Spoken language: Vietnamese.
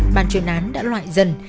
ban chuyên án đã loại dần